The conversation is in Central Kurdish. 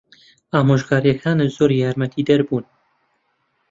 ئامۆژگارییەکانت زۆر یارمەتیدەر بوون.